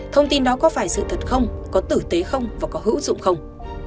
thông tin đó có phải sự thật không có tử tế không và có hữu dụng không